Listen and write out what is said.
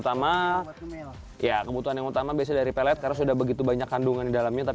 utama ya kebutuhan yang utama bisa dari pelet karena sudah begitu banyak kandungan dalamnya